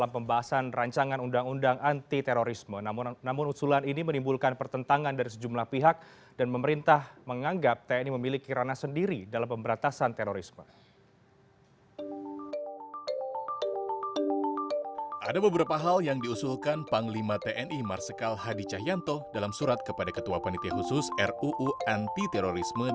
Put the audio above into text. pembeli tni marsikal hadi cahyanto